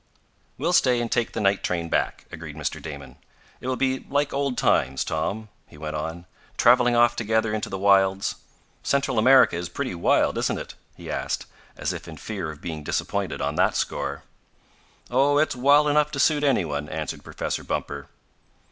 "We'll stay and take the night train back," agreed Mr. Damon. "It will be like old times, Tom," he went on, "traveling off together into the wilds. Central America is pretty wild, isn't it?" he asked, as if in fear of being disappointed on that score. "Oh, it's wild enough to suit any one," answered Professor Bumper.